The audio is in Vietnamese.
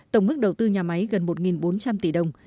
tổng mức đầu tư nhà máy gần một bốn trăm linh tỷ đồng